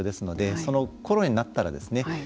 そのころになったらですね